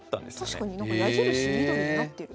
確かに矢印緑になってる。